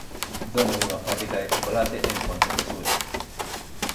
Dono dunha fábrica de chocolate en Pontecesures.